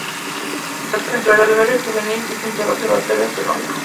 Dentro del albergue juvenil y junto al Observatorio Astronómico.